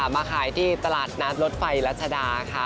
มาขายที่ตลาดรถไฟรัชดา